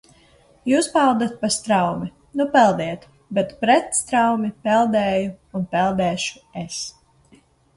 Jūs peldat pa straumi, nu peldiet, bet pret straumi peldēju un peldēšu es.